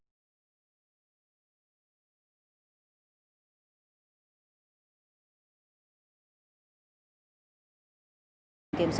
các địa phương đã đẩy lùi đại dịch covid một mươi chín vào khai báo y tế